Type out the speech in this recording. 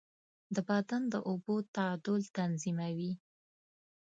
د بدن د اوبو تعادل تنظیموي.